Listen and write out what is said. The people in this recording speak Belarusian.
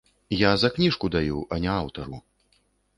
Я за кніжку даю, а не аўтару.